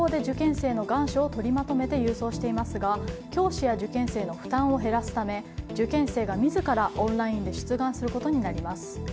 現在は高校で受験生の願書を取りまとめて郵送していますが教師や受験生の負担を減らすため受験生が自らオンラインで出願することになります。